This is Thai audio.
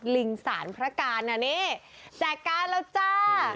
ลิงศาลพระกาลนี่แจกการ์ดแล้วจ้า